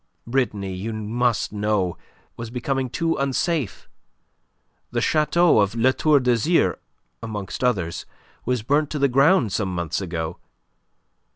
Brittany, you must know, was becoming too unsafe. The chateau of La Tour d'Azyr, amongst others, was burnt to the ground some months ago.